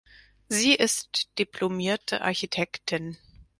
Sie ist diplomierte Architektin.